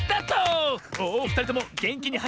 おふたりともげんきにはしってったぞ！